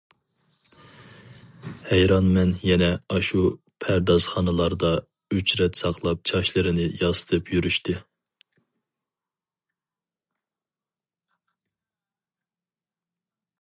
ھەيرانمەن يەنە ئاشۇ پەردازخانىلاردا ئۆچرەت ساقلاپ چاچلىرىنى ياسىتىپ يۈرۈشتى.